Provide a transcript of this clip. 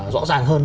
rõ ràng hơn